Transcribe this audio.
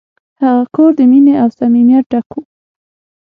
هغه کور د مینې او صمیمیت ډک و.